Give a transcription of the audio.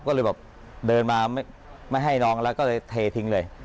ก็เลยแบบเดินมาไม่ให้น้องแล้วก็เลยเททิ้งเลย